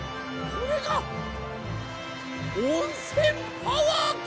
これが温泉パワーか！